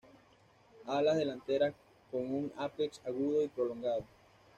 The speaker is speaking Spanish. Alas delanteras con un apex agudo y prolongado.